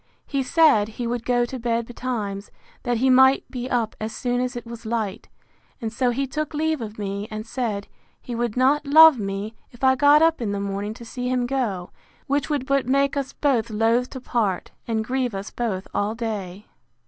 He said, He would go to bed betimes, that he might be up as soon as it was light; and so he took leave of me, and said, He would not love me, if I got up in the morning to see him go; which would but make us both loath to part, and grieve us both all day.